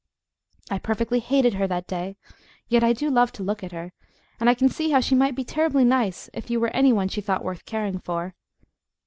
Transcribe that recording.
I perfectly hated her that day, yet I do love to look at her, and I can see how she might be terribly nice if you were any one she thought worth caring for.